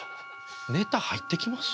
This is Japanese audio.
ネタ入ってきます？